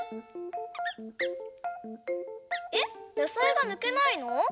えっやさいがぬけないの？